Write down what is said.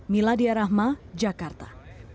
miladia rahma jakarta